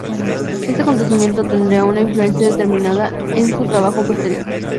Este acontecimiento tendría una influencia determinante en su trabajo posterior.